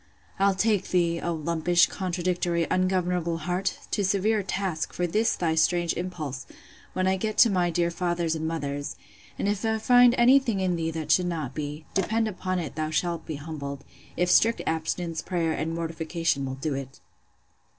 —I'll take thee, O lumpish, contradictory, ungovernable heart! to severe task, for this thy strange impulse, when I get to my dear father's and mother's; and if I find any thing in thee that should not be, depend upon it thou shalt be humbled, if strict abstinence, prayer, and mortification, will do it!